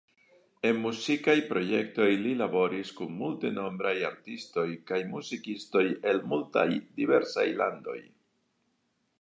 En muzikaj projektoj li laboris kun multenombraj artistoj kaj muzikistoj el multaj diversaj landoj.